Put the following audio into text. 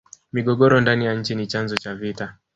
migogoro ndani ya nchi ni chanzo cha vita